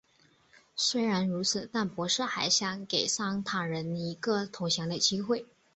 虽然如此但博士还想给桑塔人一个投降的机会。